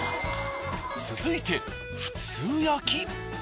続いて普通焼き。